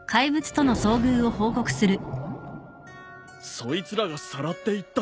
そいつらがさらっていったと。